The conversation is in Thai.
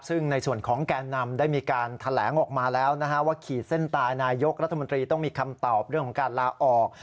ซึ่งในส่วนของแก่นำได้มีการแถลงออกมาแล้วนะฮะว่าขีดเส้นตายนายกรัฐมนตรีต้องมีคำตอบเรื่องของการลาออก